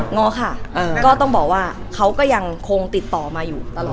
ง้อค่ะก็ต้องบอกว่าเขาก็ยังคงติดต่อมาอยู่ตลอด